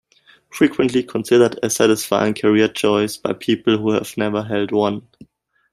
Frequently considered a satisfying career choice by people who have never held one.